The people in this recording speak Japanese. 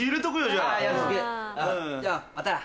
じゃあまたな！